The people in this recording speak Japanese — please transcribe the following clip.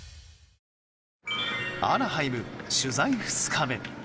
アナハイム取材２日目。